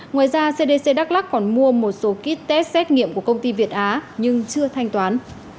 ngoài ra cdc đắk lắc còn mua một số kýt test xét nghiệm của công ty việt á nhưng chưa thanh toán